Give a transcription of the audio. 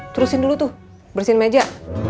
terusin dulu tuh bersihin meja